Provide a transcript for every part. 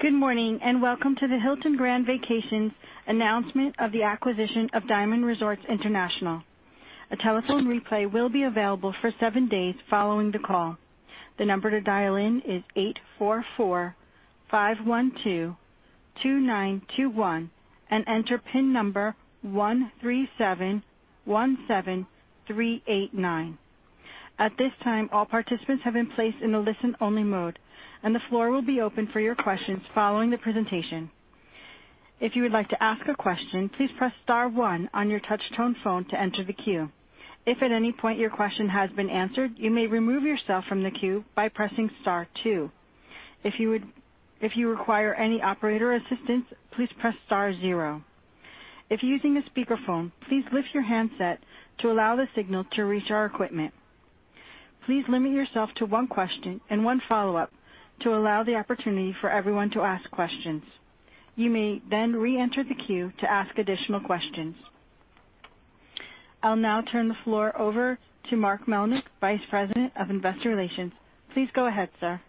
Good morning, and welcome to the Hilton Grand Vacations announcement of the acquisition of Diamond Resorts International. A telephone replay will be available for 7 days following the call. The number to dial in is 844-512-2921 and enter PIN number 13717389. At this time, all participants have been placed in a listen-only mode, and the floor will be open for your questions following the presentation. If you would like to ask a question, please press star one on your touchtone phone to enter the queue. If at any point your question has been answered, you may remove yourself from the queue by pressing star two. If you require any operator assistance, please press star zero. If you're using a speakerphone, please lift your handset to allow the signal to reach our equipment. Please limit yourself to one question and one follow-up to allow the opportunity for everyone to ask questions. You may then reenter the queue to ask additional questions. I'll now turn the floor over to Mark Melnyk, Vice President of Investor Relations. Please go ahead, sir.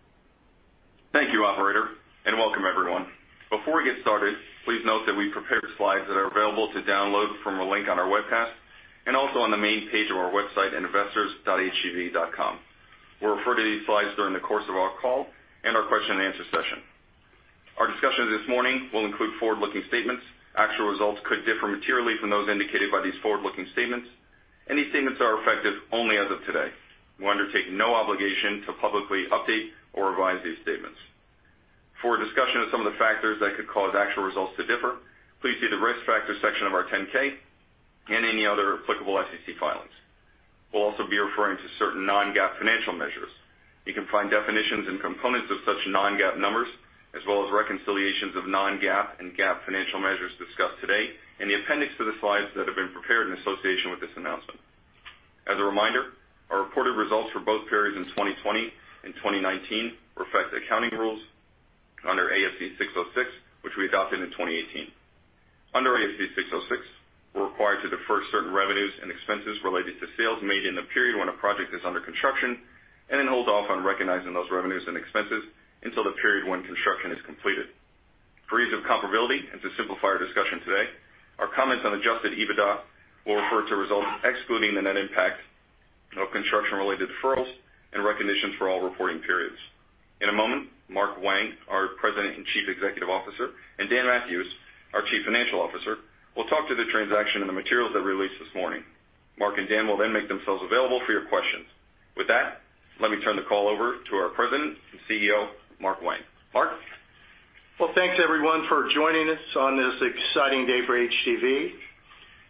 Thank you, operator, and welcome, everyone. Before we get started, please note that we prepared slides that are available to download from a link on our webcast and also on the main page of our website, investors.hgv.com. We'll refer to these slides during the course of our call and our question-and-answer session. Our discussion this morning will include forward-looking statements. Actual results could differ materially from those indicated by these forward-looking statements, and these statements are effective only as of today. We undertake no obligation to publicly update or revise these statements. For a discussion of some of the factors that could cause actual results to differ, please see the Risk Factors section of our 10-K and any other applicable SEC filings. We'll also be referring to certain non-GAAP financial measures. You can find definitions and components of such non-GAAP numbers, as well as reconciliations of non-GAAP and GAAP financial measures discussed today in the appendix to the slides that have been prepared in association with this announcement. As a reminder, our reported results for both periods in 2020 and 2019 reflect accounting rules under ASC 606, which we adopted in 2018. Under ASC 606, we're required to defer certain revenues and expenses related to sales made in the period when a project is under construction and then hold off on recognizing those revenues and expenses until the period when construction is completed. For ease of comparability and to simplify our discussion today, our comments on Adjusted EBITDA will refer to results excluding the net impact of construction-related deferrals and recognition for all reporting periods. In a moment, Mark Wang, our President and Chief Executive Officer, and Dan Mathewes, our Chief Financial Officer, will talk to the transaction and the materials that we released this morning. Mark and Dan will then make themselves available for your questions. With that, let me turn the call over to our President and CEO, Mark Wang. Mark? Well, thanks, everyone, for joining us on this exciting day for HGV.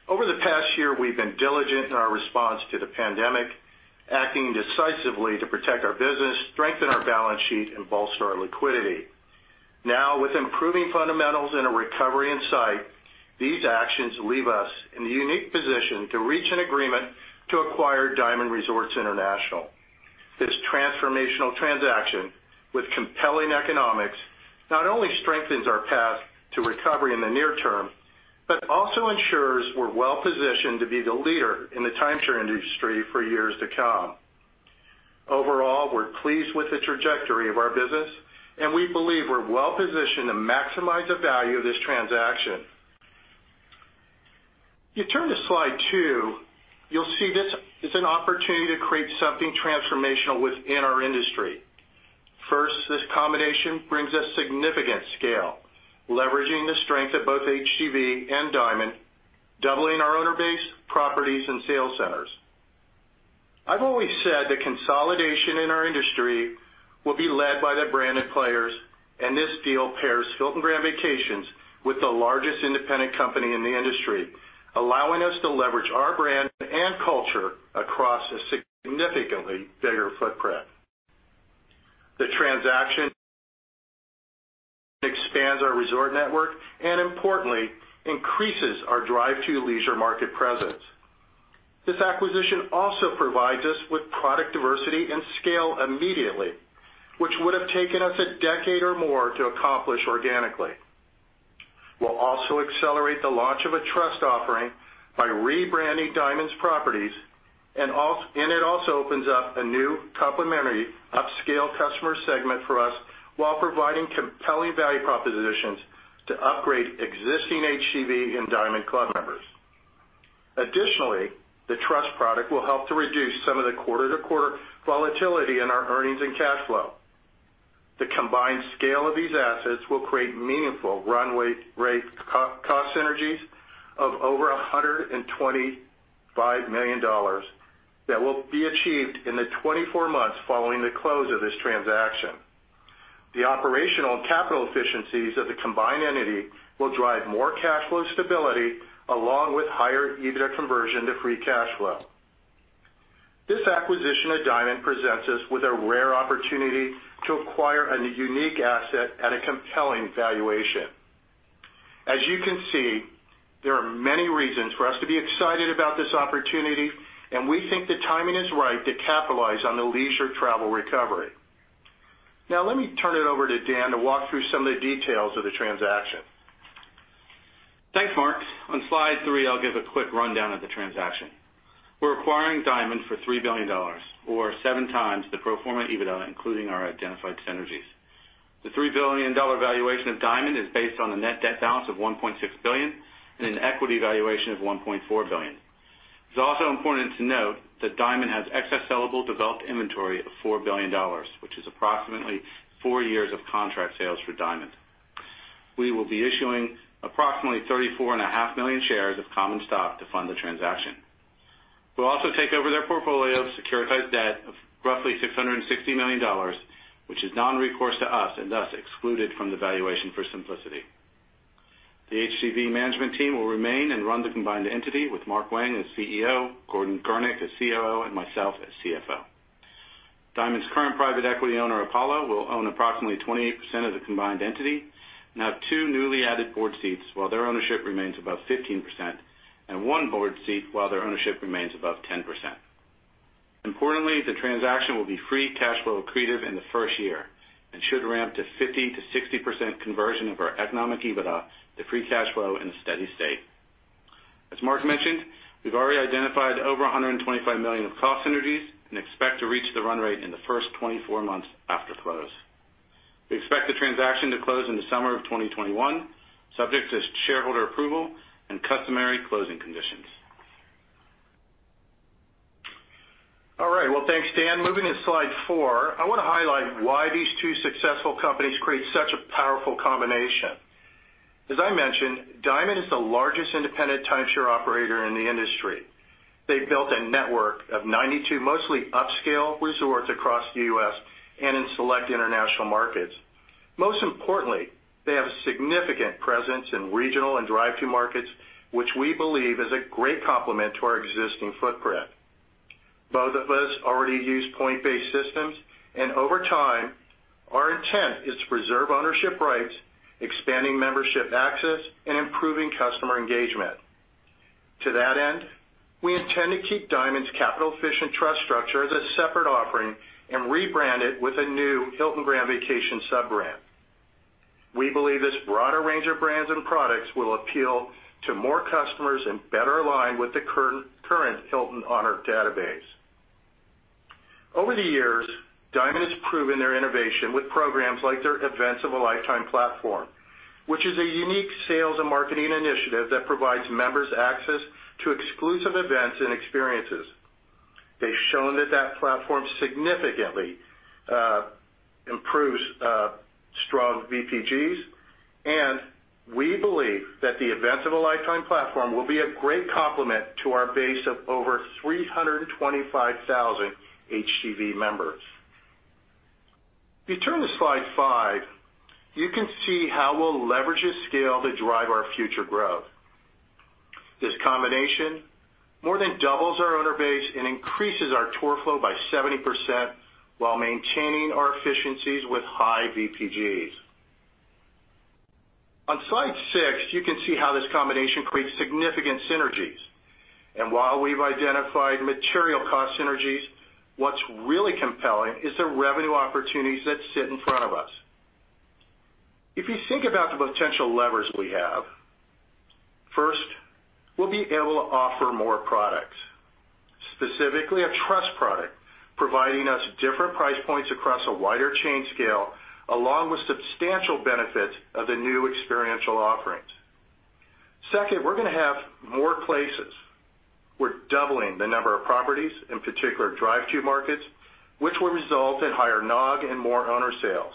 Over the past year, we've been diligent in our response to the pandemic, acting decisively to protect our business, strengthen our balance sheet and bolster our liquidity. Now, with improving fundamentals and a recovery in sight, these actions leave us in a unique position to reach an agreement to acquire Diamond Resorts International. This transformational transaction with compelling economics not only strengthens our path to recovery in the near term, but also ensures we're well positioned to be the leader in the timeshare industry for years to come. Overall, we're pleased with the trajectory of our business, and we believe we're well positioned to maximize the value of this transaction. If you turn to slide two, you'll see this is an opportunity to create something transformational within our industry. First, this combination brings us significant scale, leveraging the strength of both HGV and Diamond, doubling our owner base, properties and sales centers. I've always said that consolidation in our industry will be led by the branded players, and this deal pairs Hilton Grand Vacations with the largest independent company in the industry, allowing us to leverage our brand and culture across a significantly bigger footprint. The transaction expands our resort network and importantly, increases our drive to leisure market presence. This acquisition also provides us with product diversity and scale immediately, which would have taken us a decade or more to accomplish organically. We'll also accelerate the launch of a trust offering by rebranding Diamond's properties, and it also opens up a new complementary, upscale customer segment for us while providing compelling value propositions to upgrade existing HGV and Diamond club members. Additionally, the trust product will help to reduce some of the quarter-to-quarter volatility in our earnings and cash flow. The combined scale of these assets will create meaningful run-rate cost synergies of over $125 million that will be achieved in the 24 months following the close of this transaction. The operational and capital efficiencies of the combined entity will drive more cash flow stability, along with higher EBITDA conversion to free cash flow. This acquisition of Diamond presents us with a rare opportunity to acquire a unique asset at a compelling valuation. As you can see, there are many reasons for us to be excited about this opportunity, and we think the timing is right to capitalize on the leisure travel recovery. Now, let me turn it over to Dan to walk through some of the details of the transaction. Thanks, Mark. On Slide three, I'll give a quick rundown of the transaction. We're acquiring Diamond for $3 billion, or 7x the pro forma EBITDA, including our identified synergies. The $3 billion valuation of Diamond is based on a net debt balance of $1.6 billion and an equity valuation of $1.4 billion. It's also important to note that Diamond has excess sellable developed inventory of $4 billion, which is approximately four years of contract sales for Diamond. We will be issuing approximately 34.5 million shares of common stock to fund the transaction. We'll also take over their portfolio of securitized debt of roughly $660 million, which is non-recourse to us, and thus excluded from the valuation for simplicity. The HGV management team will remain and run the combined entity, with Mark Wang as CEO, Gordon Gurnik as COO, and myself as CFO. Diamond's current private equity owner, Apollo, will own approximately 28% of the combined entity and have two newly added board seats, while their ownership remains above 15%, and one board seat while their ownership remains above 10%. Importantly, the transaction will be free cash flow accretive in the first year and should ramp to 50%-60% conversion of our economic EBITDA to free cash flow in a steady state. As Mark mentioned, we've already identified over $125 million of cost synergies and expect to reach the run rate in the first 24 months after close. We expect the transaction to close in the summer of 2021, subject to shareholder approval and customary closing conditions. All right. Well, thanks, Dan. Moving to Slide four, I want to highlight why these two successful companies create such a powerful combination. As I mentioned, Diamond is the largest independent timeshare operator in the industry. They've built a network of 92, mostly upscale resorts across the U.S. and in select international markets. Most importantly, they have a significant presence in regional and drive-to markets, which we believe is a great complement to our existing footprint. Both of us already use point-based systems, and over time, our intent is to preserve ownership rights, expanding membership access, and improving customer engagement. To that end, we intend to keep Diamond's capital-efficient trust structure as a separate offering and rebrand it with a new Hilton Grand Vacations sub-brand. We believe this broader range of brands and products will appeal to more customers and better align with the current, current Hilton Honors database. Over the years, Diamond has proven their innovation with programs like their Events of a Lifetime platform, which is a unique sales and marketing initiative that provides members access to exclusive events and experiences. They've shown that that platform significantly improves strong VPGs, and we believe that the Events of a Lifetime platform will be a great complement to our base of over 325,000 HGV members. If you turn to Slide 5, you can see how we'll leverage this scale to drive our future growth. This combination more than doubles our owner base and increases our tour flow by 70% while maintaining our efficiencies with high VPGs. On Slide six, you can see how this combination creates significant synergies. And while we've identified material cost synergies, what's really compelling is the revenue opportunities that sit in front of us. If you think about the potential levers we have, first, we'll be able to offer more products, specifically a trust product, providing us different price points across a wider chain scale, along with substantial benefits of the new experiential offerings. Second, we're going to have more places. We're doubling the number of properties, in particular, drive-to markets, which will result in higher NOG and more owner sales.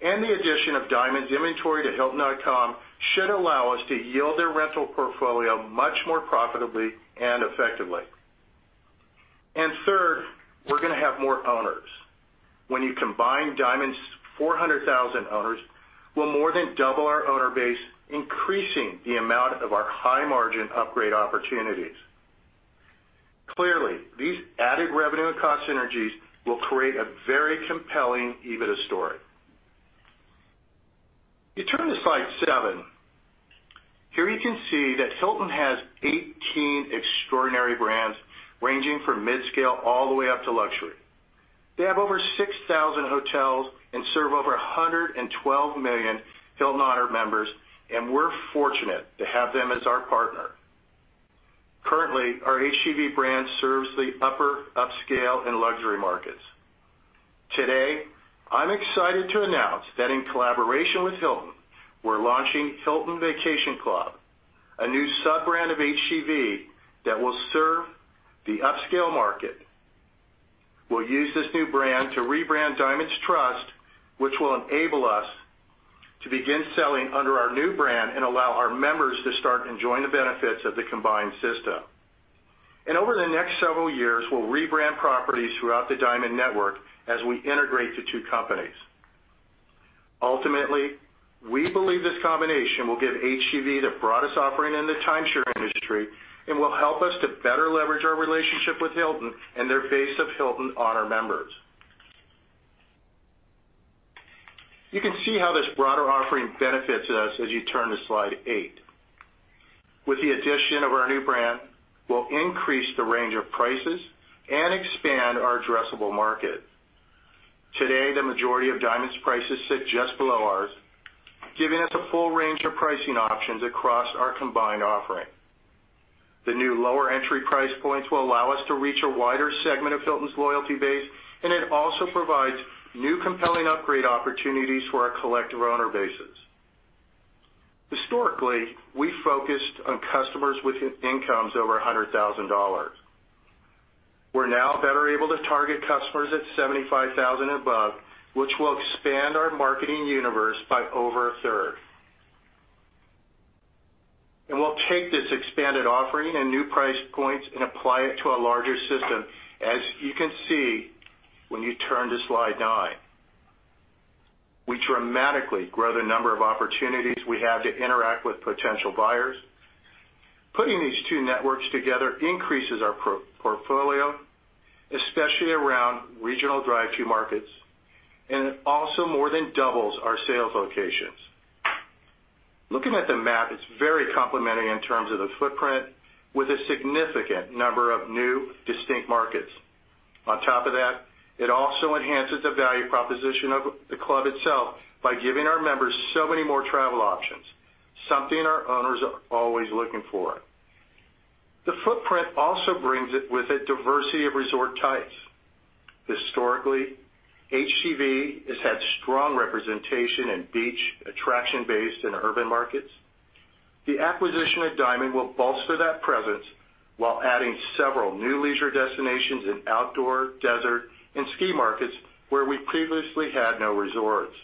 And the addition of Diamond's inventory to Hilton.com should allow us to yield their rental portfolio much more profitably and effectively. And third, we're going to have more owners. When you combine Diamond's 400,000 owners, we'll more than double our owner base, increasing the amount of our high-margin upgrade opportunities. Clearly, these added revenue and cost synergies will create a very compelling EBITDA story. If you turn to Slide seven, here you can see that Hilton has 18 extraordinary brands ranging from mid-scale all the way up to luxury. They have over 6,000 hotels and serve over 112 million Hilton Honors members, and we're fortunate to have them as our partner. Currently, our HGV brand serves the upper upscale and luxury markets. Today, I'm excited to announce that in collaboration with Hilton, we're launching Hilton Vacation Club, a new sub-brand of HGV that will serve the upscale market. We'll use this new brand to rebrand Diamond Trust, which will enable us to begin selling under our new brand and allow our members to start enjoying the benefits of the combined system. And over the next several years, we'll rebrand properties throughout the Diamond network as we integrate the two companies. Ultimately, we believe this combination will give HGV the broadest offering in the timeshare industry and will help us to better leverage our relationship with Hilton and their base of Hilton Honors members. You can see how this broader offering benefits us as you turn to Slide eight. With the addition of our new brand, we'll increase the range of prices and expand our addressable market. Today, the majority of Diamond's prices sit just below ours, giving us a full range of pricing options across our combined offering. The new lower entry price points will allow us to reach a wider segment of Hilton's loyalty base, and it also provides new compelling upgrade opportunities for our collector owner bases. Historically, we focused on customers with incomes over $100,000. We're now better able to target customers at 75,000 and above, which will expand our marketing universe by over a third. We'll take this expanded offering and new price points and apply it to a larger system, as you can see when you turn to slide nine. We dramatically grow the number of opportunities we have to interact with potential buyers. Putting these two networks together increases our portfolio, especially around regional drive-to markets, and it also more than doubles our sales locations. Looking at the map, it's very complementary in terms of the footprint, with a significant number of new, distinct markets. On top of that, it also enhances the value proposition of the club itself by giving our members so many more travel options, something our owners are always looking for. The footprint also brings it with a diversity of resort types. Historically, HGV has had strong representation in beach, attraction-based, and urban markets. The acquisition of Diamond will bolster that presence while adding several new leisure destinations in outdoor, desert, and ski markets where we previously had no resorts.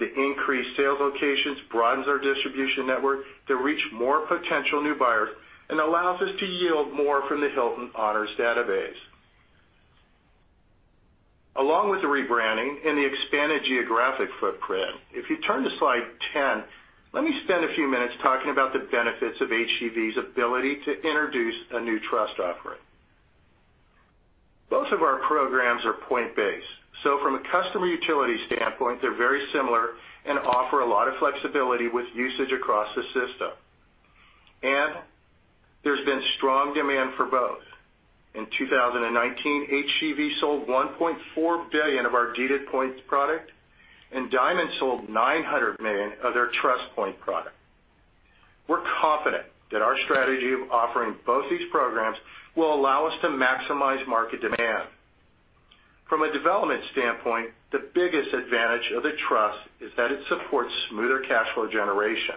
The increased sales locations broadens our distribution network to reach more potential new buyers and allows us to yield more from the Hilton Honors database. Along with the rebranding and the expanded geographic footprint, if you turn to slide 10, let me spend a few minutes talking about the benefits of HGV's ability to introduce a new trust offering. Both of our programs are point-based, so from a customer utility standpoint, they're very similar and offer a lot of flexibility with usage across the system. And there's been strong demand for both. In 2019, HGV sold $1.4 billion of our deeded points product, and Diamond sold $900 million of their trust points product. We're confident that our strategy of offering both these programs will allow us to maximize market demand. From a development standpoint, the biggest advantage of the trust is that it supports smoother cash flow generation.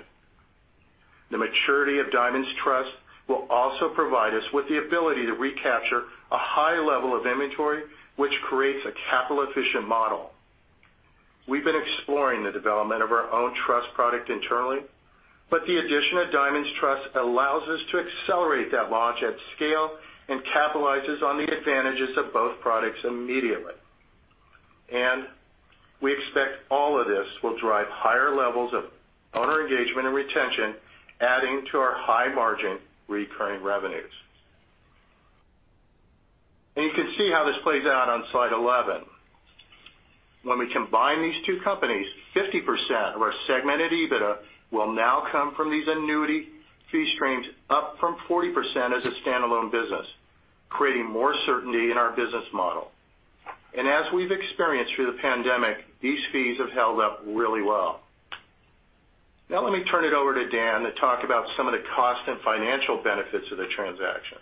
The maturity of Diamond's trust will also provide us with the ability to recapture a high level of inventory, which creates a capital-efficient model. We've been exploring the development of our own trust product internally, but the addition of Diamond's trust allows us to accelerate that launch at scale and capitalizes on the advantages of both products immediately. We expect all of this will drive higher levels of owner engagement and retention, adding to our high-margin recurring revenues. You can see how this plays out on slide 11. When we combine these two companies, 50% of our segmented EBITDA will now come from these annuity fee streams, up from 40% as a standalone business, creating more certainty in our business model. As we've experienced through the pandemic, these fees have held up really well. Now, let me turn it over to Dan to talk about some of the cost and financial benefits of the transaction.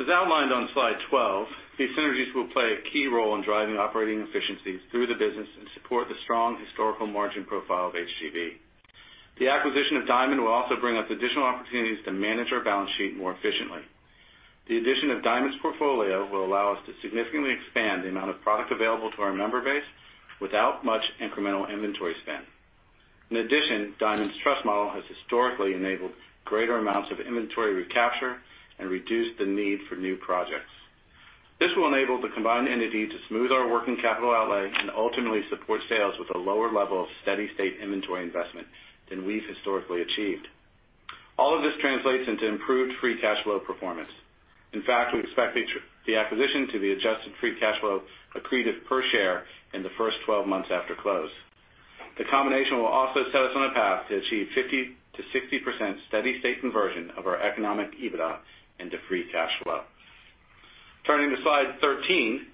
As outlined on slide 12, these synergies will play a key role in driving operating efficiencies through the business and support the strong historical margin profile of HGV. The acquisition of Diamond will also bring us additional opportunities to manage our balance sheet more efficiently. The addition of Diamond's portfolio will allow us to significantly expand the amount of product available to our member base without much incremental inventory spend. In addition, Diamond's trust model has historically enabled greater amounts of inventory recapture and reduced the need for new projects. This will enable the combined entity to smooth our working capital outlay and ultimately support sales with a lower level of steady-state inventory investment than we've historically achieved. All of this translates into improved free cash flow performance. In fact, we expect the acquisition to be adjusted free cash flow accretive per share in the first 12 months after close. The combination will also set us on a path to achieve 50%-60% steady state conversion of our economic EBITDA into free cash flow. Turning to slide 13,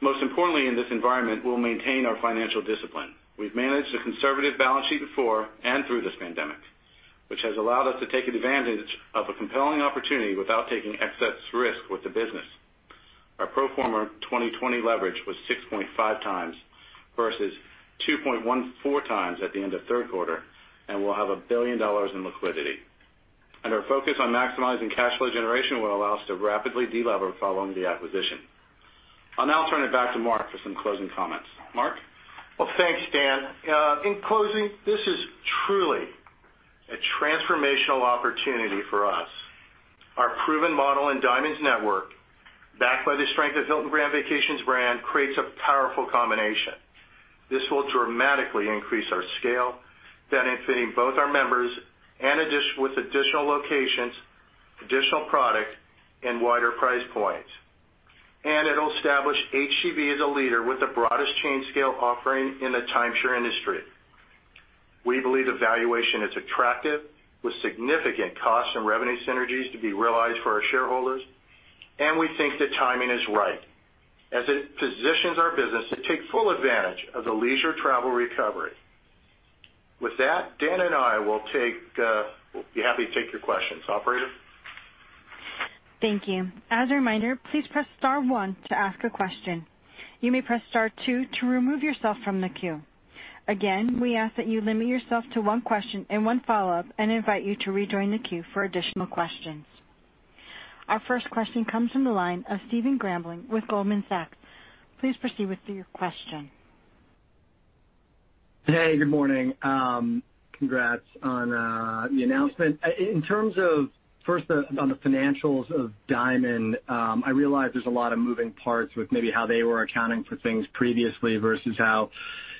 most importantly in this environment, we'll maintain our financial discipline. We've managed a conservative balance sheet before and through this pandemic, which has allowed us to take advantage of a compelling opportunity without taking excess risk with the business. Our pro forma 2020 leverage was 6.5x versus 2.14x at the end of third quarter, and we'll have $1 billion in liquidity. Our focus on maximizing cash flow generation will allow us to rapidly delever following the acquisition. I'll now turn it back to Mark for some closing comments. Mark? Well, thanks, Dan. In closing, this is truly a transformational opportunity for us. Our proven model in Diamond's network, backed by the strength of Hilton Grand Vacations brand, creates a powerful combination. This will dramatically increase our scale, benefiting both our members and with additional locations, additional product, and wider price points. And it'll establish HGV as a leader with the broadest chain scale offering in the timeshare industry... We believe the valuation is attractive, with significant costs and revenue synergies to be realized for our shareholders, and we think the timing is right as it positions our business to take full advantage of the leisure travel recovery. With that, Dan and I will take, be happy to take your questions. Operator? Thank you. As a reminder, please press star one to ask a question. You may press star two to remove yourself from the queue. Again, we ask that you limit yourself to one question and one follow-up and invite you to rejoin the queue for additional questions. Our first question comes from the line of Stephen Grambling with Goldman Sachs. Please proceed with your question. Hey, good morning. Congrats on the announcement. In terms of, first, on the financials of Diamond, I realize there's a lot of moving parts with maybe how they were accounting for things previously versus how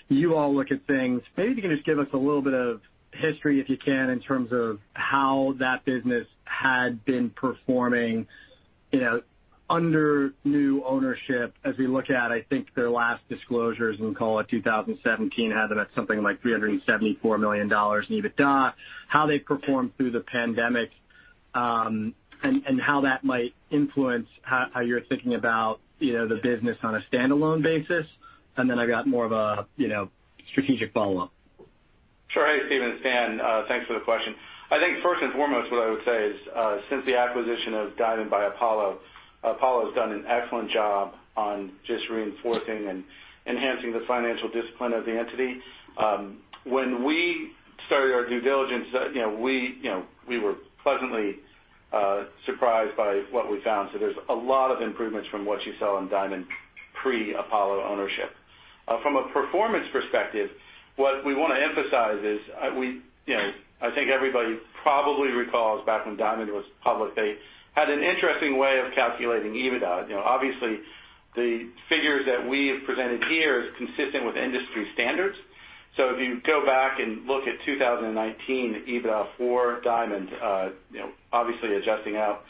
you all look at things. Maybe if you can just give us a little bit of history, if you can, in terms of how that business had been performing, you know, under new ownership as we look at, I think, their last disclosures, and call it 2017, had them at something like $374 million in EBITDA, how they performed through the pandemic, and how that might influence how you're thinking about, you know, the business on a standalone basis. And then I got more of a, you know, strategic follow-up. Sure. Hey, Stephen, it's Dan. Thanks for the question. I think first and foremost, what I would say is, since the acquisition of Diamond by Apollo, Apollo has done an excellent job on just reinforcing and enhancing the financial discipline of the entity. When we started our due diligence, you know, we were pleasantly surprised by what we found. So there's a lot of improvements from what you saw in Diamond pre-Apollo ownership. From a performance perspective, what we wanna emphasize is, you know, I think everybody probably recalls back when Diamond was public, they had an interesting way of calculating EBITDA. You know, obviously, the figures that we have presented here is consistent with industry standards. So if you go back and look at 2019 EBITDA for Diamond, you know, obviously adjusting out,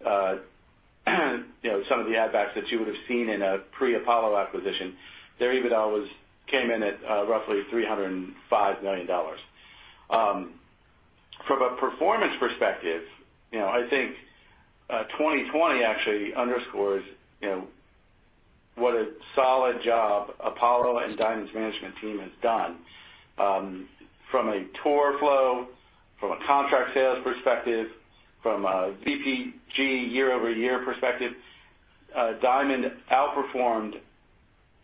you know, some of the add backs that you would have seen in a pre-Apollo acquisition, their EBITDA was, came in at, roughly $305 million. From a performance perspective, you know, I think, 2020 actually underscores, you know, what a solid job Apollo and Diamond's management team has done. From a tour flow, from a contract sales perspective, from a VPG year-over-year perspective, Diamond outperformed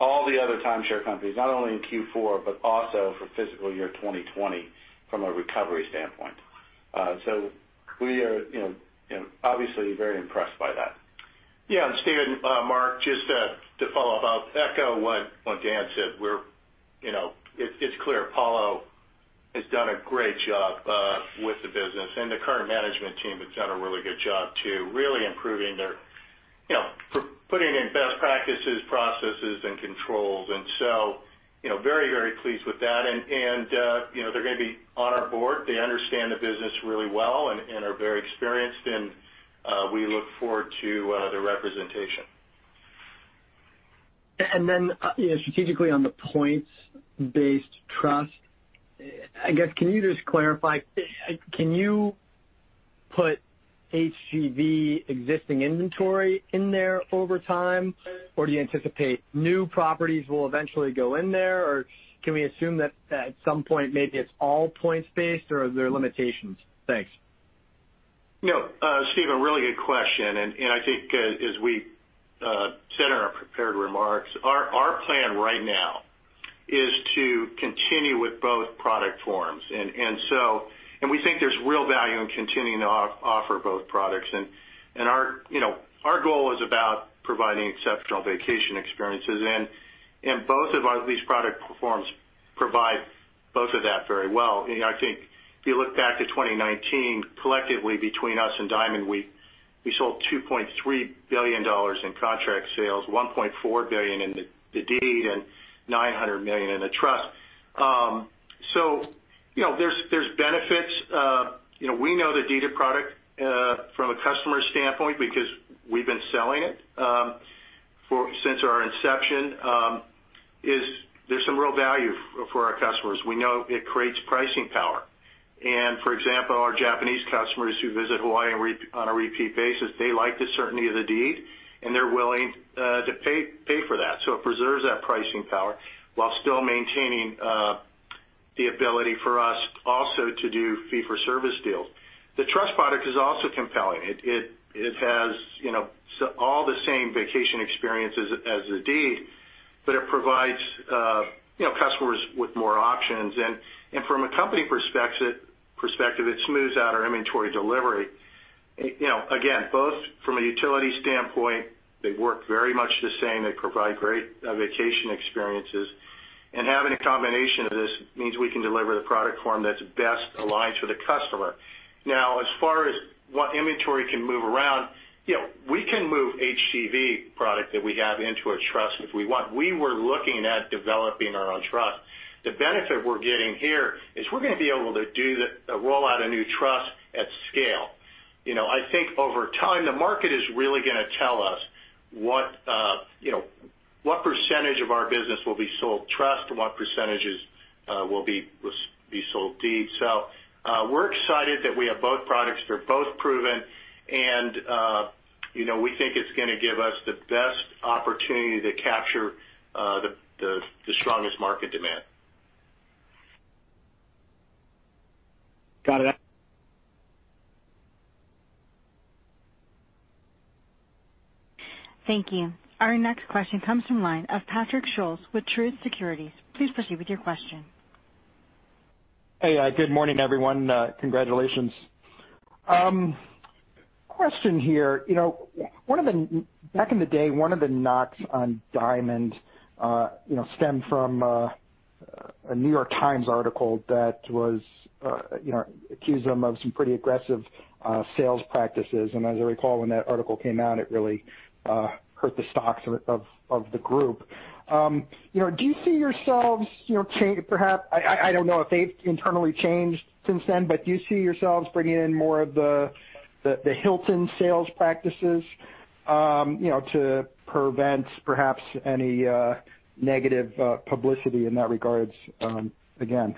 all the other timeshare companies, not only in Q4, but also for fiscal year 2020 from a recovery standpoint. So we are, you know, you know, obviously very impressed by that. Yeah, and Stephen, Mark, just to, to follow up, I'll echo what, what Dan said. We're, you know, it's clear Apollo has done a great job with the business, and the current management team has done a really good job, too, really improving their, you know, putting in best practices, processes, and controls. And so, you know, very, very pleased with that. And, you know, they're gonna be on our board. They understand the business really well and are very experienced, and we look forward to their representation. Then, you know, strategically, on the points-based trust, I guess, can you just clarify, can you put HGV existing inventory in there over time, or do you anticipate new properties will eventually go in there, or can we assume that at some point, maybe it's all points-based, or are there limitations? Thanks. No, Stephen, really good question, and I think as we said in our prepared remarks, our plan right now is to continue with both product forms. And so, we think there's real value in continuing to offer both products. And our, you know, our goal is about providing exceptional vacation experiences, and both of our—these product forms provide both of that very well. You know, I think if you look back to 2019, collectively, between us and Diamond, we sold $2.3 billion in contract sales, $1.4 billion in the deeded, and $900 million in the trust. So, you know, there's benefits. You know, we know the deeded product from a customer standpoint, because we've been selling it since our inception. There's some real value for our customers. We know it creates pricing power. And, for example, our Japanese customers who visit Hawaii on a repeat basis, they like the certainty of the deed, and they're willing to pay for that. So it preserves that pricing power while still maintaining the ability for us also to do fee-for-service deals. The trust product is also compelling. It has, you know, all the same vacation experiences as the deed, but it provides, you know, customers with more options. And from a company perspective, it smooths out our inventory delivery. You know, again, both from a utility standpoint, they work very much the same. They provide great vacation experiences, and having a combination of this means we can deliver the product form that's best aligned to the customer. Now, as far as what inventory can move around, you know, we can move HGV product that we have into a trust if we want. We were looking at developing our own trust. The benefit we're getting here is we're gonna be able to do the roll out a new trust at scale. You know, I think over time, the market is really gonna tell us what, you know, what percentage of our business will be sold trust and what percentages will be sold deed. So, we're excited that we have both products. They're both proven, and, you know, we think it's gonna give us the best opportunity to capture the strongest market demand. Got it. Thank you. Our next question comes from the line of Patrick Scholes with Truist Securities. Please proceed with your question. Hey, good morning, everyone. Congratulations. Question here, you know, back in the day, one of the knocks on Diamond, you know, stemmed from a New York Times article that was, you know, accused them of some pretty aggressive sales practices. And as I recall, when that article came out, it really hurt the stocks of the group. You know, do you see yourselves, you know, change perhaps? I don't know if they've internally changed since then, but do you see yourselves bringing in more of the Hilton sales practices, you know, to prevent perhaps any negative publicity in that regards, again?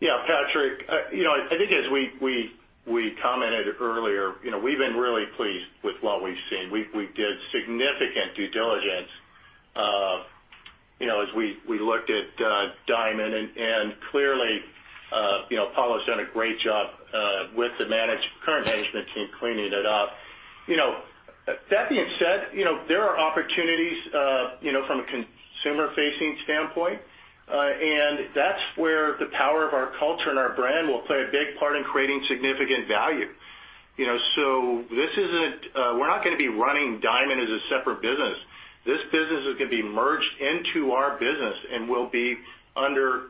Yeah, Patrick, you know, I think as we commented earlier, you know, we've been really pleased with what we've seen. We did significant due diligence, you know, as we looked at, Diamond, and clearly, you know, Apollo's done a great job, with the managed current management team, cleaning it up. You know, that being said, you know, there are opportunities, you know, from a consumer-facing standpoint, and that's where the power of our culture and our brand will play a big part in creating significant value. You know, so this isn't, we're not gonna be running Diamond as a separate business. This business is gonna be merged into our business and will be under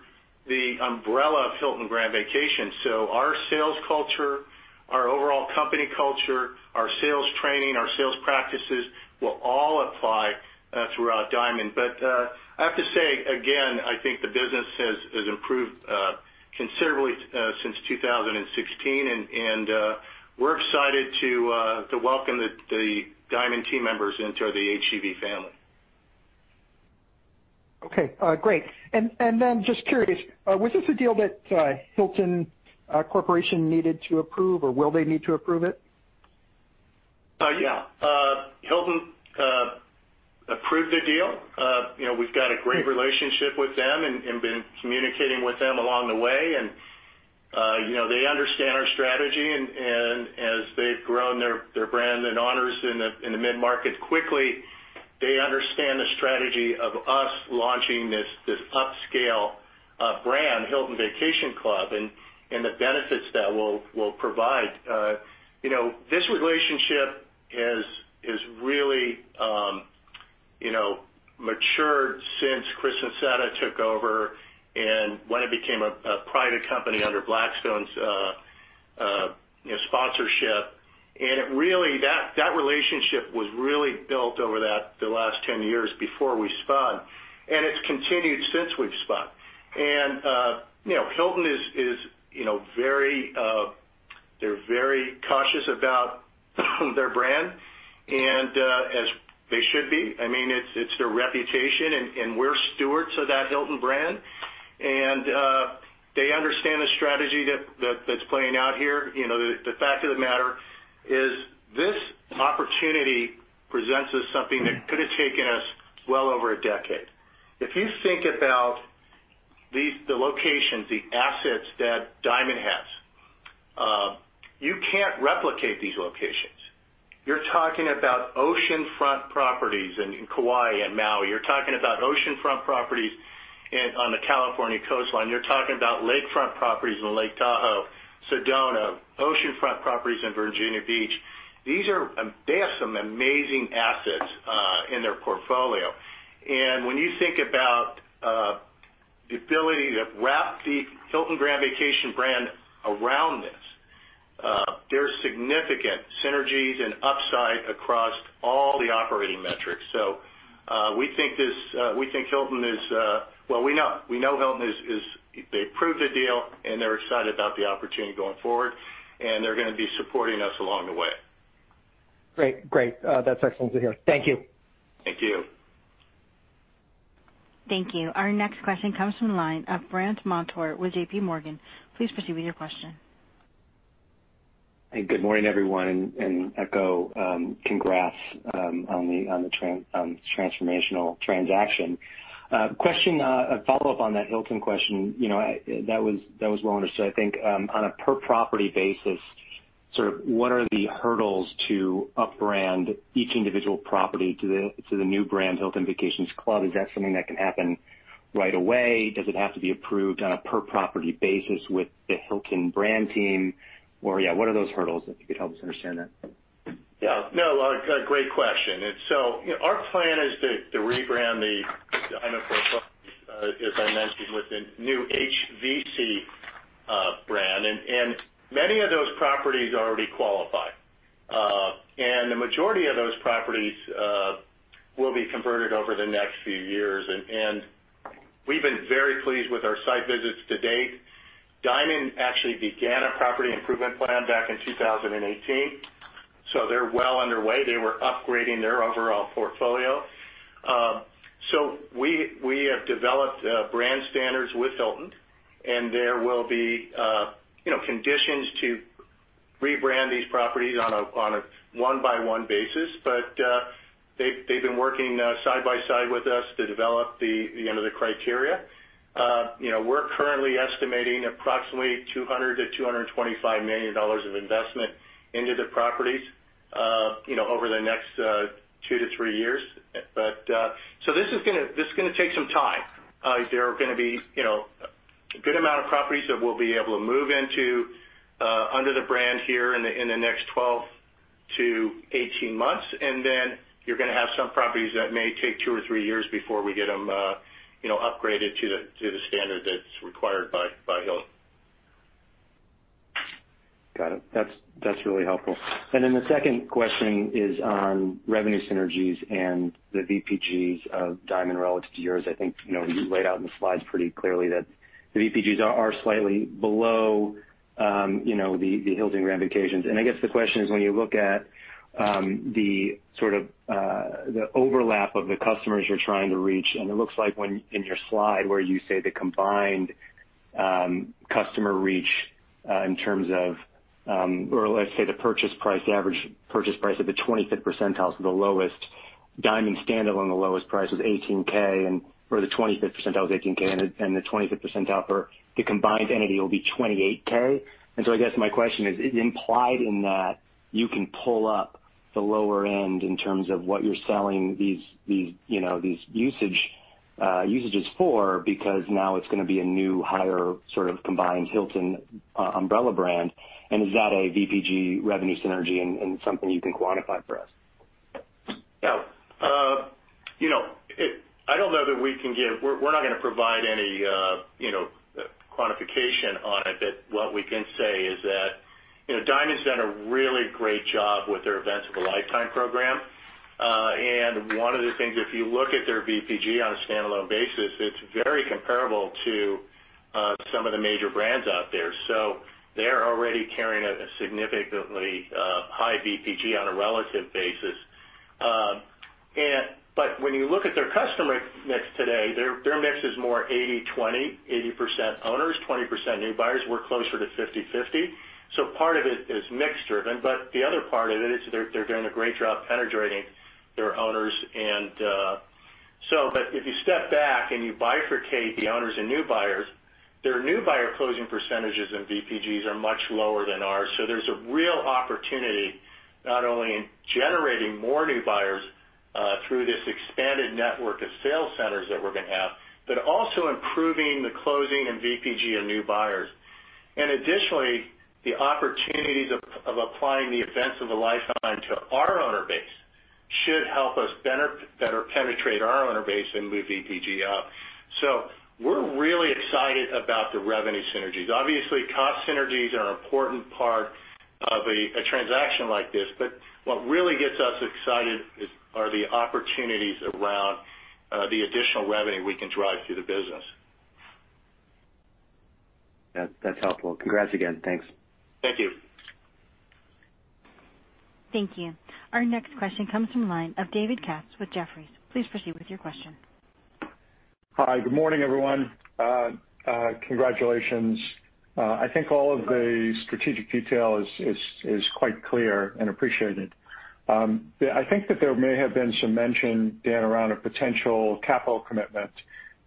the umbrella of Hilton Grand Vacations. So our sales culture, our overall company culture, our sales training, our sales practices will all apply throughout Diamond. But I have to say again, I think the business has improved considerably since 2016, and we're excited to welcome the Diamond team members into the HGV family. Okay, great. And then just curious, was this a deal that Hilton Corporation needed to approve, or will they need to approve it? Yeah. Hilton approved the deal. You know, we've got a great relationship with them and been communicating with them along the way, and you know, they understand our strategy. And as they've grown their brand and owners in the mid-market quickly, they understand the strategy of us launching this upscale brand, Hilton Vacation Club, and the benefits that we'll provide. You know, this relationship is really you know, matured since Chris Nassetta took over and when it became a private company under Blackstone's sponsorship. And it really that relationship was really built over the last 10 years before we spun, and it's continued since we've spun. You know, they're very cautious about their brand, and as they should be. I mean, it's their reputation, and we're stewards of that Hilton brand. They understand the strategy that's playing out here. You know, the fact of the matter is this opportunity presents us something that could have taken us well over a decade. If you think about these locations, the assets that Diamond has, you can't replicate these locations. You're talking about oceanfront properties in Kauai and Maui. You're talking about oceanfront properties on the California coastline. You're talking about lakefront properties in Lake Tahoe, Sedona, oceanfront properties in Virginia Beach. They have some amazing assets in their portfolio. And when you think about the ability to wrap the Hilton Grand Vacations brand around this, there are significant synergies and upside across all the operating metrics. So, well, we know. We know Hilton is. They approved the deal, and they're gonna be supporting us along the way. Great, great. That's excellent to hear. Thank you. Thank you. Thank you. Our next question comes from the line of Brandt Montour with JPMorgan. Please proceed with your question. Hey, good morning, everyone, congrats on the transformational transaction. Question, a follow-up on that Hilton question. You know, that was well understood. I think on a per property basis, sort of what are the hurdles to upbrand each individual property to the new brand, Hilton Vacation Club? Is that something that can happen right away? Does it have to be approved on a per property basis with the Hilton brand team? Or, yeah, what are those hurdles, if you could help us understand that? Yeah. No, great question. And so, our plan is to rebrand the Diamond as I mentioned, with the new HVC brand, and many of those properties already qualify. And the majority of those properties will be converted over the next few years. We've been very pleased with our site visits to date. Diamond actually began a Property Improvement Plan back in 2018, so they're well underway. They were upgrading their overall portfolio. So we have developed brand standards with Hilton, and there will be, you know, conditions to rebrand these properties on a one-by-one basis. But they've been working side by side with us to develop the, you know, the criteria. You know, we're currently estimating approximately $200-$225 million of investment into the properties, you know, over the next 2-3 years. But so this is gonna take some time. There are gonna be, you know, a good amount of properties that we'll be able to move into under the brand here in the next 12-18 months, and then you're gonna have some properties that may take 2-3 years before we get them upgraded to the standard that's required by Hilton. Got it. That's, that's really helpful. And then the second question is on revenue synergies and the VPGs of Diamond relative to yours. I think, you know, you laid out in the slides pretty clearly that the VPGs are, are slightly below, you know, the, the Hilton Grand Vacations. And I guess the question is, when you look at, the sort of, the overlap of the customers you're trying to reach, and it looks like when in your slide where you say the combined, customer reach, in terms of, or let's say, the purchase price, average purchase price of the 25th percentile, so the lowest Diamond standalone, the lowest price was $18,000, and or the 25th percentile was $18,000, and, and the 25th percentile for the combined entity will be $28,000. I guess my question is, is it implied in that you can pull up the lower end in terms of what you're selling these, you know, these usages for, because now it's gonna be a new, higher sort of combined Hilton umbrella brand, and is that a VPG revenue synergy and something you can quantify for us? Yeah. You know, I don't know that we can give—we're not gonna provide any, you know, quantification on it. But what we can say is that, you know, Diamond's done a really great job with their Events of a Lifetime program. And one of the things, if you look at their VPG on a standalone basis, it's very comparable to some of the major brands out there. So they're already carrying a significantly high VPG on a relative basis. And but when you look at their customer mix today, their mix is more 80/20, 80% owners, 20% new buyers. We're closer to 50/50. So part of it is mix driven, but the other part of it is they're doing a great job penetrating their owners. And, so but if you step back and you bifurcate the owners and new buyers, their new buyer closing percentages and VPGs are much lower than ours. So there's a real opportunity not only in generating more new buyers through this expanded network of sales centers that we're gonna have, but also improving the closing and VPG of new buyers. And additionally, the opportunities of, of applying the Events of a Lifetime to our owner base should help us better, better penetrate our owner base and move VPG up. So we're really excited about the revenue synergies. Obviously, cost synergies are an important part of a, a transaction like this, but what really gets us excited is, are the opportunities around, the additional revenue we can drive through the business. That's helpful. Congrats again. Thanks. Thank you. Thank you. Our next question comes from the line of David Katz with Jefferies. Please proceed with your question. Hi, good morning, everyone. Congratulations. I think all of the strategic detail is quite clear and appreciated. I think that there may have been some mention, Dan, around a potential capital commitment,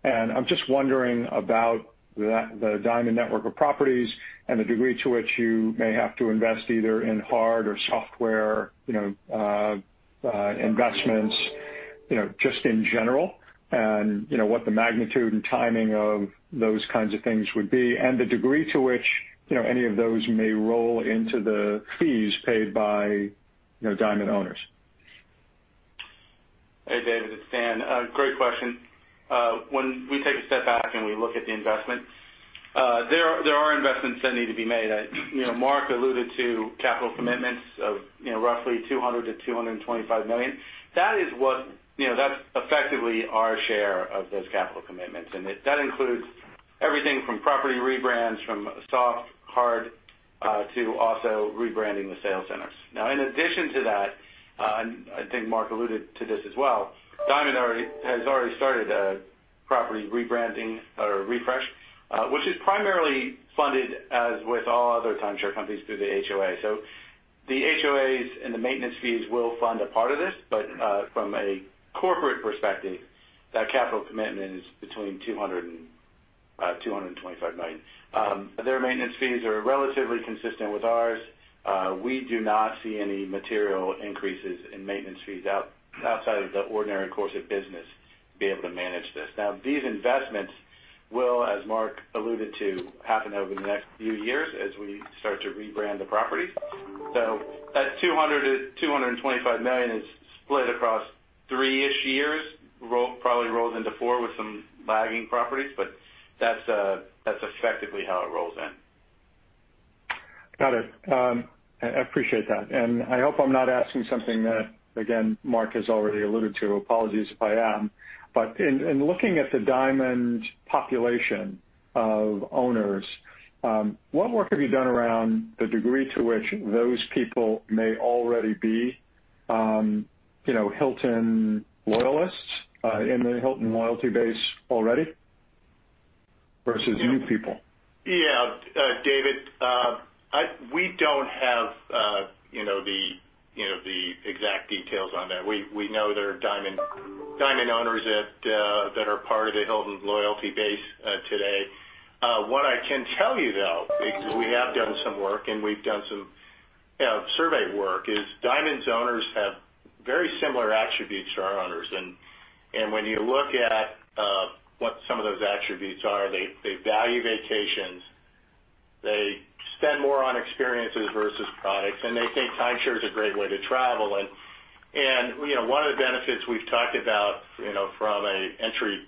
and I'm just wondering about the Diamond network of properties and the degree to which you may have to invest either in hardware or software, you know, investments, you know, just in general, and, you know, what the magnitude and timing of those kinds of things would be, and the degree to which, you know, any of those may roll into the fees paid by, you know, Diamond owners. Hey, David, it's Dan. Great question. When we take a step back and we look at the investment, there are investments that need to be made. You know, Mark alluded to capital commitments of, you know, roughly $200 million-$225 million. That is what, you know, that's effectively our share of those capital commitments, and that includes everything from property rebrands, from soft, hard, to also rebranding the sales centers. Now, in addition to that, and I think Mark alluded to this as well, Diamond has already started a property rebranding or a refresh, which is primarily funded, as with all other timeshare companies, through the HOA. So the HOAs and the maintenance fees will fund a part of this, but from a corporate perspective, that capital commitment is between $200 million and $225 million. Their maintenance fees are relatively consistent with ours. We do not see any material increases in maintenance fees outside of the ordinary course of business to be able to manage this. Now, these investments will, as Mark alluded to, happen over the next few years as we start to rebrand the property. So that $200 million-$225 million is split across three-ish years, probably rolls into 4 with some lagging properties, but that's effectively how it rolls in. Got it. I, I appreciate that. And I hope I'm not asking something that, again, Mark has already alluded to. Apologies if I am. But in, in looking at the Diamond population of owners, what work have you done around the degree to which those people may already be, you know, Hilton loyalists, in the Hilton loyalty base already versus new people? Yeah, David, we don't have, you know, the exact details on that. We know there are Diamond owners that are part of the Hilton loyalty base today. What I can tell you, though, we have done some work, and we've done some survey work, is Diamond's owners have very similar attributes to our owners. And when you look at what some of those attributes are, they value vacations, they spend more on experiences versus products, and they think timeshare is a great way to travel. And you know, one of the benefits we've talked about, you know, from an entry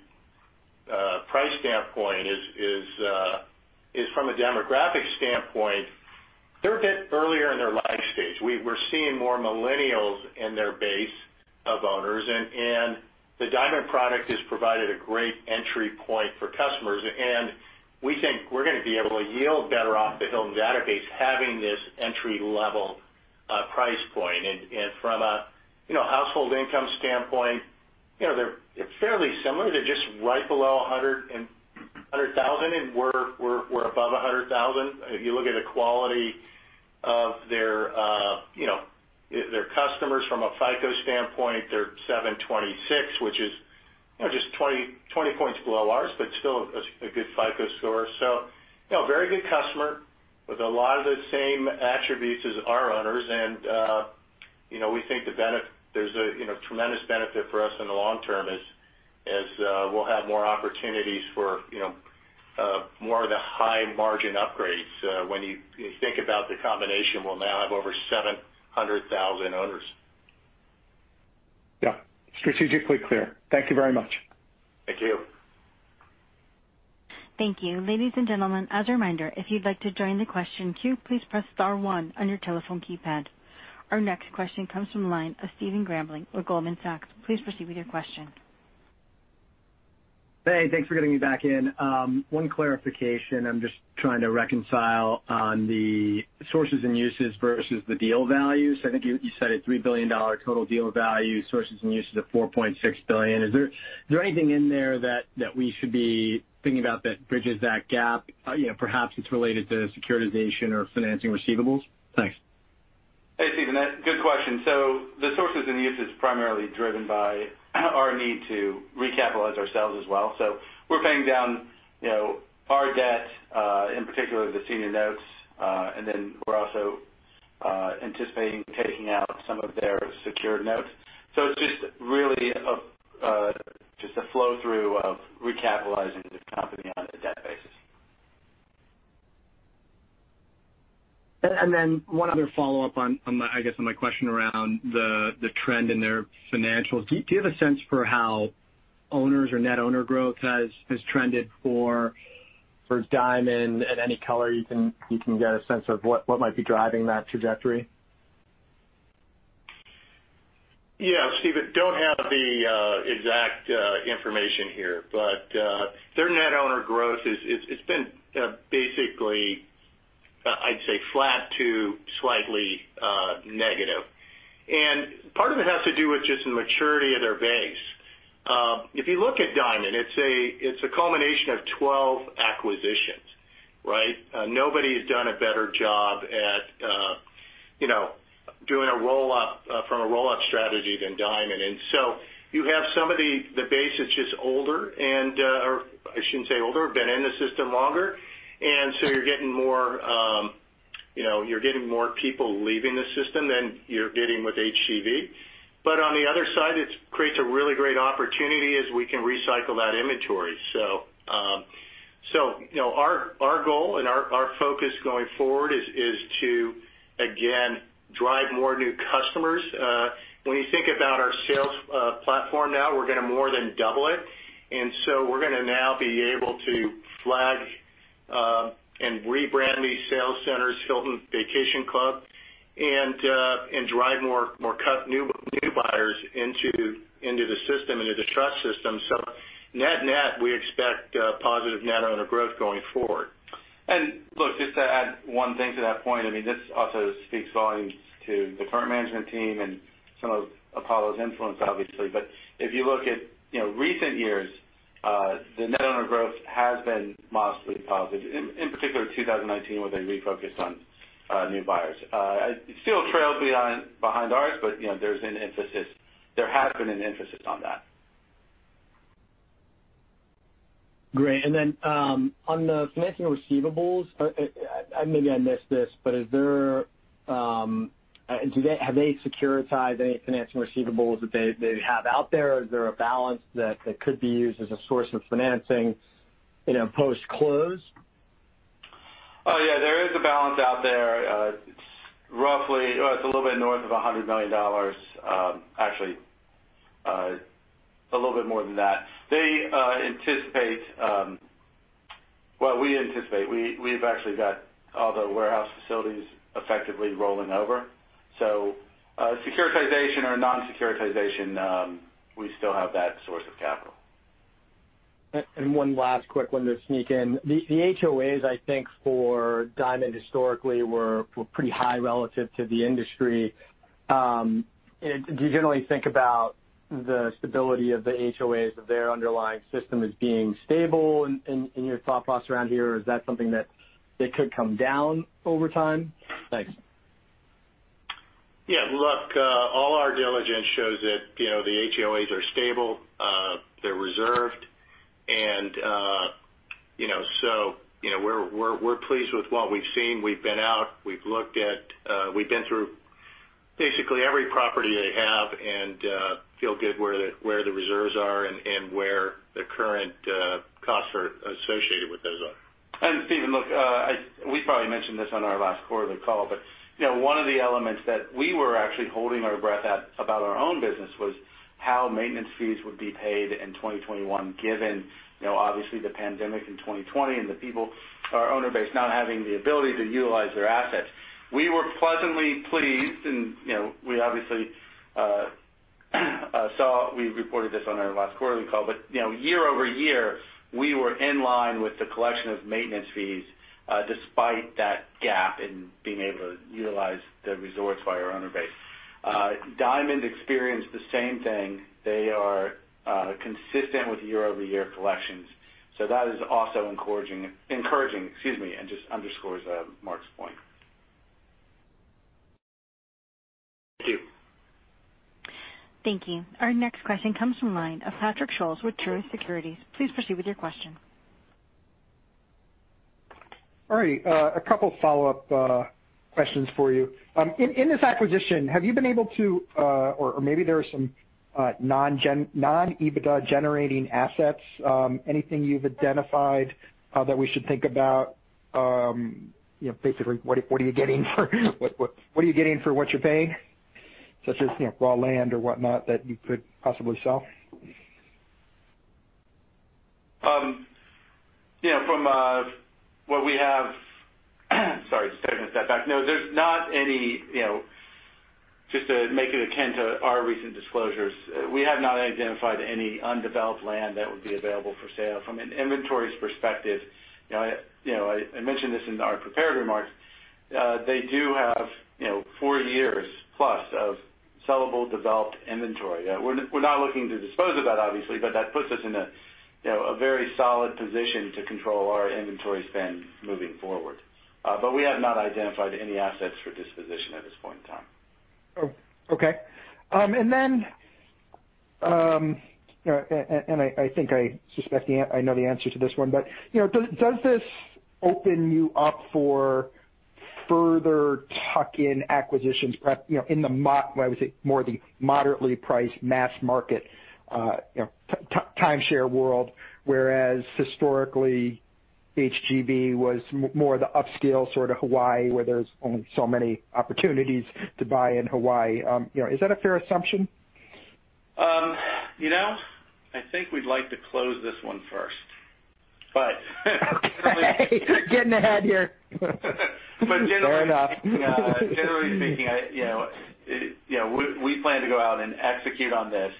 price standpoint is from a demographic standpoint, they're a bit earlier in their life stage. We're seeing more millennials in their base of owners, and the Diamond product has provided a great entry point for customers, and we think we're gonna be able to yield better off the Hilton database, having this entry-level price point. And from a household income standpoint, you know, they're, it's fairly similar. They're just right below $100,000, and we're above $100,000. If you look at the quality of their customers from a FICO standpoint, they're 726, which is, you know, just 20 points below ours, but still a good FICO score. So, you know, very good customer with a lot of the same attributes as our owners. You know, we think there's a, you know, tremendous benefit for us in the long term as we'll have more opportunities for, you know, more of the high margin upgrades. When you think about the combination, we'll now have over 700,000 owners. Yeah. Strategically clear. Thank you very much. Thank you. Thank you. Ladies and gentlemen, as a reminder, if you'd like to join the question queue, please press star one on your telephone keypad. Our next question comes from the line of Stephen Grambling with Goldman Sachs. Please proceed with your question. Hey, thanks for getting me back in. One clarification. I'm just trying to reconcile on the sources and uses versus the deal values. I think you said a $3 billion total deal value, sources and uses of $4.6 billion. Is there anything in there that we should be thinking about that bridges that gap? You know, perhaps it's related to securitization or financing receivables. Thanks. Hey, Stephen, a good question. So the sources and uses is primarily driven by our need to recapitalize ourselves as well. So we're paying down, you know, our debt, in particular, the senior notes, and then we're also anticipating taking out some of their secured notes. So it's just really, just a flow through of recapitalizing the company on a debt basis. And then one other follow-up on, I guess, my question around the trend in their financials. Do you have a sense for how owners or Net Owner Growth has trended for Diamond and any color you can get a sense of what might be driving that trajectory? Yeah, Stephen, don't have the exact information here, but their Net Owner Growth is, it's been basically, I'd say flat to slightly negative. And part of it has to do with just the maturity of their base. If you look at Diamond, it's a culmination of 12 acquisitions, right? Nobody has done a better job at, you know, doing a roll-up from a roll-up strategy than Diamond. And so you have some of the base that's just older and... I shouldn't say older, been in the system longer. And so you're getting more, you know, you're getting more people leaving the system than you're getting with HGV. But on the other side, it creates a really great opportunity as we can recycle that inventory. You know, our goal and our focus going forward is to again drive more new customers. When you think about our sales platform now, we're gonna more than double it, and so we're gonna now be able to flag and rebrand these sales centers, Hilton Vacation Club, and drive more new buyers into the system, into the trust system. Net-net, we expect positive Net Owner Growth going forward. Look, just to add one thing to that point, I mean, this also speaks volumes to the current management team and some of Apollo's influence, obviously. But if you look at, you know, recent years, the Net Owner Growth has been modestly positive, in particular, 2019, where they refocused on new buyers. It still trailed behind ours, but, you know, there's an emphasis, there has been an emphasis on that. Great. And then, on the financing receivables, maybe I missed this, but is there, do they, have they securitized any financing receivables that they, they have out there? Is there a balance that, that could be used as a source of financing, you know, post-close? Oh, yeah, there is a balance out there. It's roughly, it's a little bit north of $100 million, actually-... a little bit more than that. They anticipate, well, we anticipate, we've actually got all the warehouse facilities effectively rolling over. So, securitization or non-securitization, we still have that source of capital. One last quick one to sneak in. The HOAs, I think, for Diamond historically were pretty high relative to the industry. Do you generally think about the stability of the HOAs of their underlying system as being stable in your thought process around here, or is that something that could come down over time? Thanks. Yeah, look, all our diligence shows that, you know, the HOAs are stable, they're reserved, and, you know, so, you know, we're pleased with what we've seen. We've been out, we've looked at, we've been through basically every property they have and feel good where the reserves are and where the current costs are associated with those are. And Stephen, look, I -- we probably mentioned this on our last quarterly call, but, you know, one of the elements that we were actually holding our breath at about our own business was how maintenance fees would be paid in 2021, given, you know, obviously the pandemic in 2020 and the people, our owner base not having the ability to utilize their assets. We were pleasantly pleased, and, you know, we obviously saw -- we reported this on our last quarterly call. But, you know, year-over-year, we were in line with the collection of maintenance fees, despite that gap in being able to utilize the resorts by our owner base. Diamond experienced the same thing. They are consistent with year-over-year collections, so that is also encouraging, excuse me, and just underscores Mark's point. Thank you. Thank you. Our next question comes from line of Patrick Scholes with Truist Securities. Please proceed with your question. All right, a couple follow-up questions for you. In this acquisition, have you been able to, or maybe there are some non-EBITDA generating assets, anything you've identified that we should think about? You know, basically, what are you getting for what you're paying? Such as, you know, raw land or whatnot, that you could possibly sell. You know, from what we have, sorry, take that back. No, there's not any, you know. Just to make it akin to our recent disclosures, we have not identified any undeveloped land that would be available for sale. From an inventory's perspective, you know, I mentioned this in our prepared remarks, they do have, you know, four years plus of sellable, developed inventory. We're not looking to dispose of that, obviously, but that puts us in a, you know, a very solid position to control our inventory spend moving forward. But we have not identified any assets for disposition at this point in time. Oh, okay. And then I think I suspect the—I know the answer to this one, but, you know, does this open you up for further tuck-in acquisitions, perhaps—you know, in the more—I would say, more the moderately priced mass market, you know, timeshare world, whereas historically, HGV was more the upscale, sort of Hawaii, where there's only so many opportunities to buy in Hawaii? You know, is that a fair assumption? You know, I think we'd like to close this one first, but. Okay, getting ahead here. But generally- Fair enough. Generally speaking, I, you know, you know, we plan to go out and execute on this,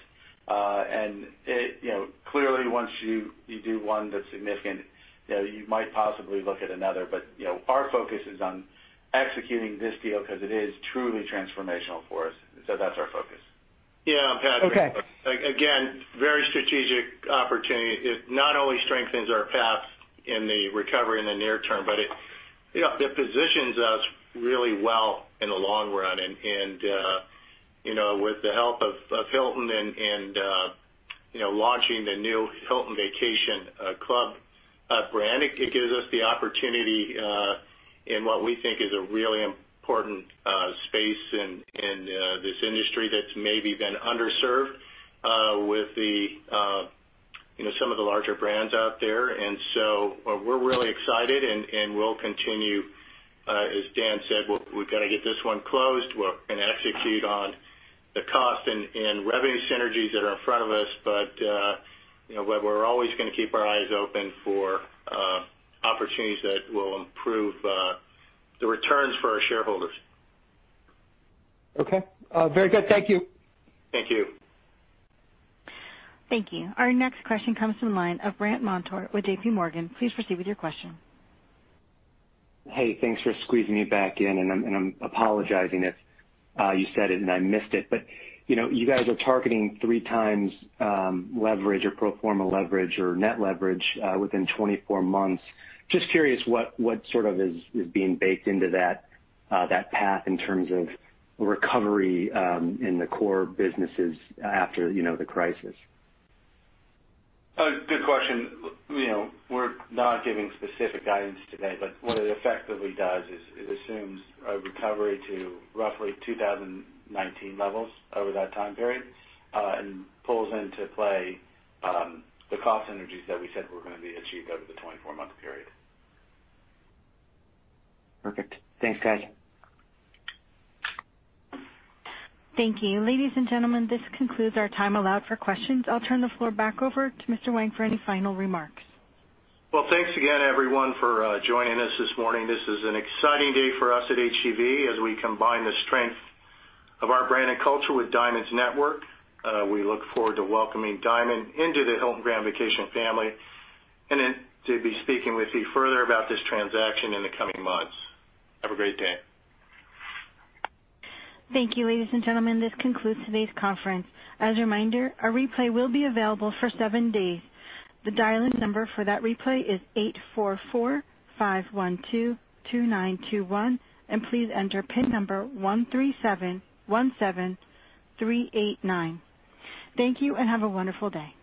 and it, you know, clearly, once you do one that's significant, you know, you might possibly look at another. But, you know, our focus is on executing this deal, 'cause it is truly transformational for us. So that's our focus. Yeah, Patrick. Okay. Again, very strategic opportunity. It not only strengthens our path in the recovery in the near term, but it, you know, it positions us really well in the long run. And, and, you know, with the help of, of Hilton and, and, you know, launching the new Hilton Vacation Club brand, it, it gives us the opportunity, in what we think is a really important, space in, in, this industry that's maybe been underserved, with the, you know, some of the larger brands out there. And so we're really excited and, and we'll continue, as Dan said, we're, we've got to get this one closed. We're going to execute on the cost and, and revenue synergies that are in front of us. But, you know, we're always going to keep our eyes open for opportunities that will improve the returns for our shareholders. Okay. Very good. Thank you. Thank you. Thank you. Our next question comes from the line of Brandt Montour with JPMorgan. Please proceed with your question. Hey, thanks for squeezing me back in, and I'm apologizing if you said it and I missed it. But, you know, you guys are targeting 3x leverage or pro forma leverage or net leverage within 24 months. Just curious, what sort of is being baked into that path in terms of recovery in the core businesses after, you know, the crisis? Good question. You know, we're not giving specific guidance today, but what it effectively does is, it assumes a recovery to roughly 2019 levels over that time period, and pulls into play, the cost synergies that we said were going to be achieved over the 24-month period. Perfect. Thanks, guys. Thank you. Ladies and gentlemen, this concludes our time allowed for questions. I'll turn the floor back over to Mr. Wang for any final remarks. Well, thanks again, everyone, for joining us this morning. This is an exciting day for us at HGV as we combine the strength of our brand and culture with Diamond's network. We look forward to welcoming Diamond into the Hilton Grand Vacations family, and then to be speaking with you further about this transaction in the coming months. Have a great day. Thank you, ladies and gentlemen. This concludes today's conference. As a reminder, a replay will be available for seven days. The dial-in number for that replay is 844-512-2921, and please enter pin number 13717389. Thank you, and have a wonderful day.